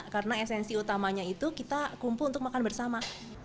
karena esensi utamanya itu kita kumpul untuk makan bersama